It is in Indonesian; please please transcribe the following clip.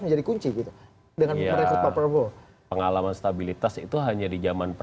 menjadi kunci gitu dengan merekrut pak prabowo pengalaman stabilitas itu hanya di zaman